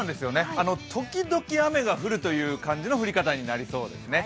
ときどき雨が降るという感じの降り方になりそうですね。